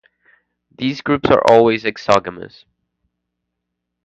These groups are always exogamous.